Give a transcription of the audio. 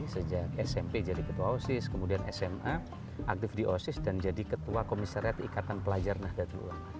sejak smp jadi ketua osis kemudian sma aktif di osis dan jadi ketua komisariat ikatan pelajar nahdlatul ulama